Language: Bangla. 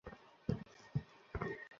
হামলা বন্ধ হয়ে গেছে।